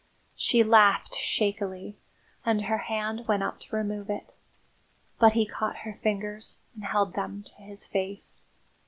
She laughed shakily and her hand went up to remove it; but he caught her fingers and held them to his face.